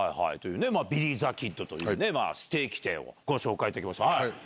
ビリー・ザ・キットというステーキ店ご紹介いただきました。